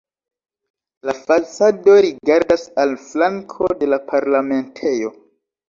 La fasado rigardas al flanko de la Parlamentejo.